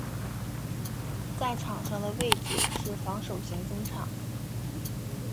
在场上的位置是防守型中场。